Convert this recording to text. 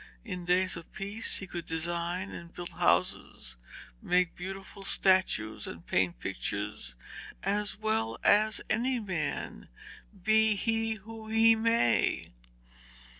In days of peace he could design and build houses, make beautiful statues and paint pictures 'as well as any man, be he who he may.'